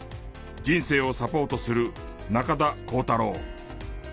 人生をサポートする中田航太郎。